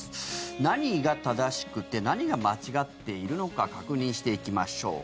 何が正しくて何が間違っているのか確認していきましょう。